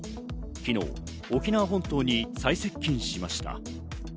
昨日、沖縄本島に最接近しました。